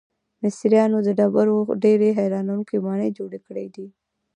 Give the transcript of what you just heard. مصریانو د ډبرو ډیرې حیرانوونکې ماڼۍ جوړې کړې دي.